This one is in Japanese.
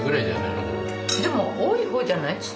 でも多い方じゃない？